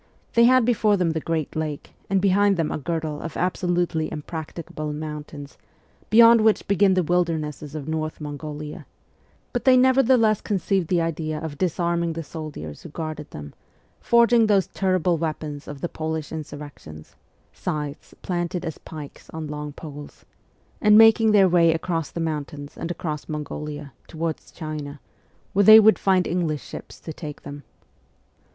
They had before them the great lake, and behind them a girdle of absolutely impracticable mountains, beyond which begin the wildernesses of North Mongolia ; but they nevertheless conceived the idea of disarming the soldiers who guarded them, forging those terrible weapons of the Polish insurrec tions scythes planted as pikes on long poles and SIBERIA 2/55 making their way across the mountains and across Mongolia, towards China, where they would find English ships to take them.